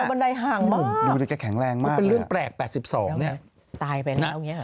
บันไดห่างมากดูดิแกแข็งแรงมากเลยนะฮะตายไปแล้วอย่างนี้